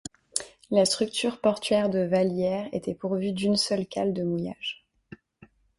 La structure portuaire de Vallières était pourvue d'une seule cale de mouillage.